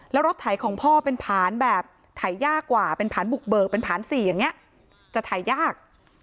แล้วรถไถของพ่อเป็นฐานแบบถ่ายยากกว่าเป็นฐานบุกเบิกเป็นฐาน๔อย่างนี้จะถ่ายยาก